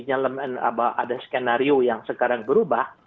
ada skenario yang sekarang berubah